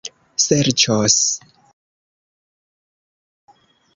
serĉos